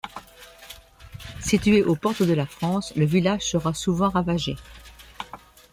Situé aux portes de la France, le village sera souvent ravagé.